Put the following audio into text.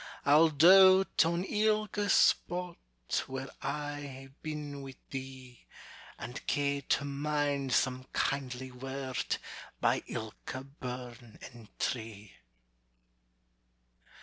I'll doat on ilka spot Where I ha'e been wi' thee; And ca' to mind some kindly word By ilka burn and tree.